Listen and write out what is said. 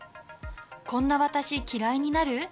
こんな私嫌いになる？